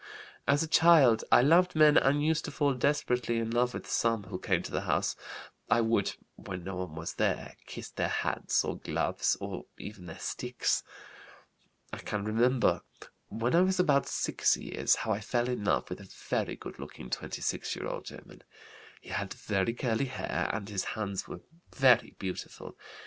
"As a child I loved men and used to fall desperately in love with some who came to the house. I would, when no one was there, kiss their hats, or gloves, or even their sticks. "I can remember, when I was about 6 years, how I fell in love with a very good looking 26 year old German. He had very curly hair and his hands were very beautiful.